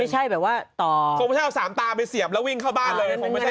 ไม่ใช่แบบว่าต่อคงไม่ใช่เอาสามตาไปเสียบแล้ววิ่งเข้าบ้านเลย